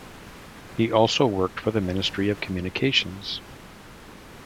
He also worked for the Ministry of Communications.